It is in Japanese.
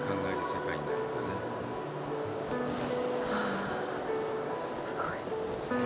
はあ、すごい。